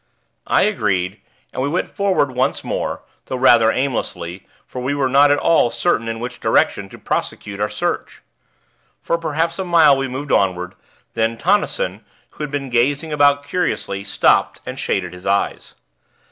I agreed, and we went forward once more, though rather aimlessly; for we were not at all certain in which direction to prosecute our search. For perhaps a mile we moved onward; then Tonnison, who had been gazing about curiously, stopped and shaded his eyes.